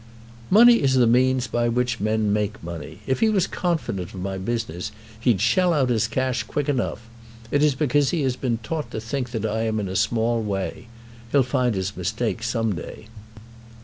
"Money is the means by which men make money. If he was confident of my business he'd shell out his cash quick enough! It is because he has been taught to think that I am in a small way. He'll find his mistake some day."